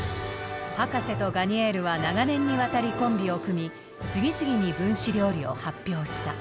博士とガニェールは長年にわたりコンビを組み次々に分子料理を発表した。